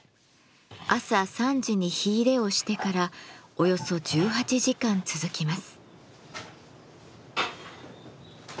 朝３時に火入れをしてからおよそ１８時間続きます。